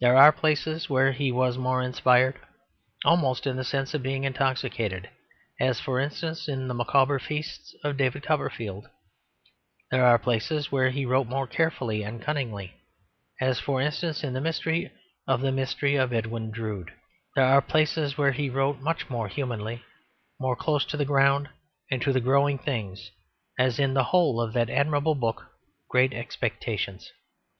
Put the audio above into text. There are places where he was more inspired, almost in the sense of being intoxicated, as, for instance, in the Micawber feasts of David Copperfield; there are places where he wrote more carefully and cunningly, as, for instance, in the mystery of The Mystery of Edwin Drood; there are places where he wrote very much more humanly, more close to the ground and to growing things, as in the whole of that admirable book Great Expectations.